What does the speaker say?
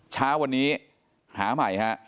เช้าวันนี้หาใหม่ฮะ